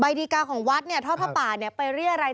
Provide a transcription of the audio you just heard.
ใบดีกาของวัดนี่เทาทะป่านไปเรียริ้าลัย